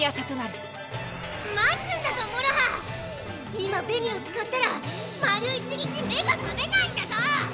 今紅を使ったら丸１日目が覚めないんだゾ！